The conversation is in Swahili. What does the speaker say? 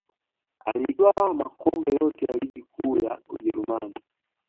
Alitwaa makombe yote ya ligi kuu ya ujerumani